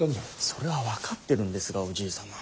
それは分かってるんですがおじい様。